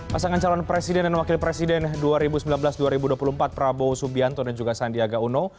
pasangan calon presiden dan wakil presiden dua ribu sembilan belas dua ribu dua puluh empat prabowo subianto dan juga sandiaga uno